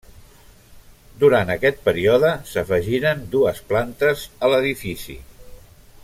Durant aquest període s'afegiren dues plantes a l'edifici.